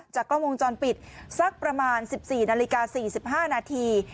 จากกล้องวงจรปิดสักประมาณสิบสี่นาฬิกาสี่สิบห้านาที